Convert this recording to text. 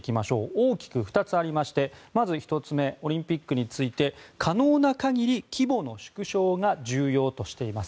大きく２つありましてまず１つ目オリンピックについて可能な限り規模の縮小が重要としています。